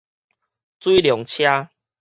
水龍車